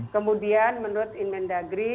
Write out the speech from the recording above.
kemudian menurut inmen dagri